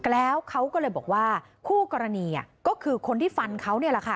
แล้วเขาก็เลยบอกว่าคู่กรณีก็คือคนที่ฟันเขาเนี่ยแหละค่ะ